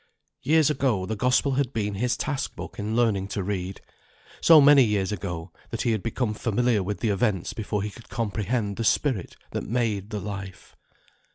Years ago, the Gospel had been his task book in learning to read. So many years ago, that he had become familiar with the events before he could comprehend the Spirit that made the Life.